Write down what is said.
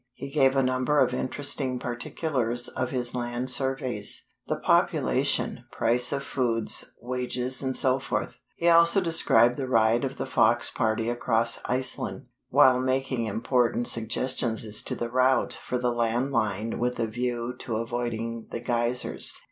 He gave a number of interesting particulars of his land surveys, the population, price of food, wages, etc. He also described the ride of the Fox party across Iceland, while making important suggestions as to the route for the land line with a view to avoiding the geysers.